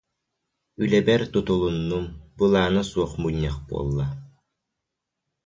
Үлэбэр тутулуннум, былаана суох мунньах буолла